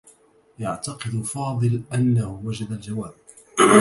يعتقد فاضل أنّه وجد الجواب.